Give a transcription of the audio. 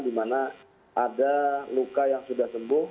di mana ada luka yang sudah sembuh